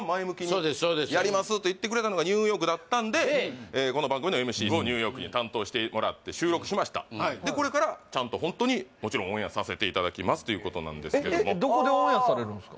そうです「やります」と言ってくれたのがニューヨークだったんでこの番組のＭＣをニューヨークに担当してもらって収録しましたでこれからちゃんとホントにもちろんオンエアさせていただきますということなんですけどもどこでオンエアされるんすか？